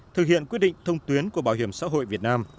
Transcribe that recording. thực hiện quyết định thông tuyến của bảo hiểm xã hội việt nam